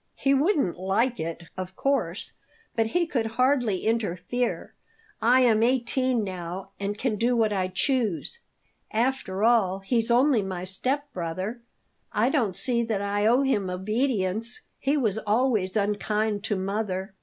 "He wouldn't like it, of course, but he could hardly interfere. I am eighteen now and can do what I choose. After all, he's only my step brother; I don't see that I owe him obedience. He was always unkind to mother."